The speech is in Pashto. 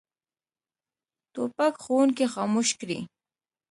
توپک ښوونکي خاموش کړي.